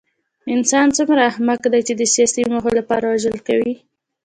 انسان څومره احمق دی چې د سیاسي موخو لپاره وژل کوي